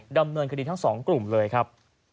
ดำเนินคดีทั้งสองกลุ่มเลยครับ